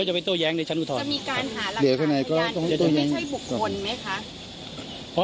จะมีการหาหลักฐานของคุณย่านไม่ใช่บุคคลไหมคะ